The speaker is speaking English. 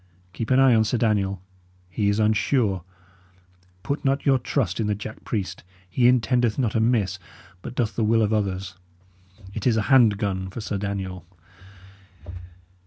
Keep an eye on Sir Daniel; he is unsure. Put not your trust in the jack priest; he intendeth not amiss, but doth the will of others; it is a hand gun for Sir Daniel!